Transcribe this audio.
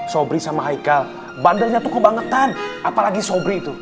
sobri sama haikal bandelnya tuh kebangetan apalagi sobri itu